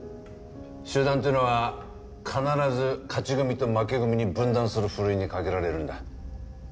集団っていうのは必ず勝ち組と負け組に分断するふるいにかけられるんだ。